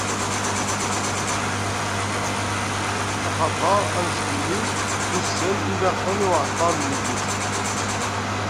Axaṭer annect-nni n wussan i yelaqen i uɛeṭṭer n lmegget.